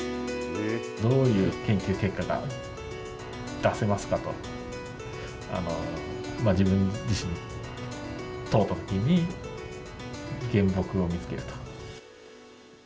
どういう研究結果が出せますかと、自分自身に問うたときに、原木を見つけると。